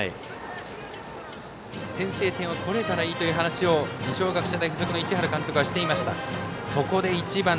先制点を取れたらいいという話を二松学舎大付属の市原監督はしていました。